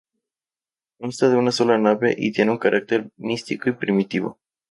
Consta de una sola nave y tiene un carácter místico y primitivo.